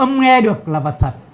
âm nghe được là vật thật